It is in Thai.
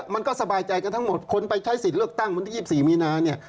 มันก็สบายใจกันทั้งหมดคนไปใช้สิทธิ์เลือกตั้งวันที่๒๔มีนาเนี่ย